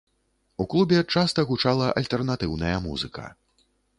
У клубе часта гучала альтэрнатыўная музыка.